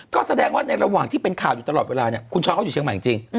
ก็แสดงว่าในระหว่างที่เป็นข่าวอยู่ตลอดเวลาเนี่ยคุณช้อนเขาอยู่เชียงใหม่จริง